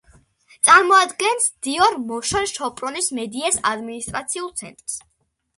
წარმოადგენს დიორ-მოშონ-შოპრონის მედიეს ადმინისტრაციულ ცენტრს.